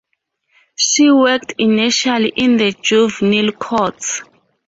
She worked initially in the juvenile courts.